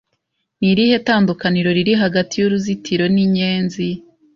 Ni irihe tandukaniro riri hagati y'uruzitiro n'inyenzi?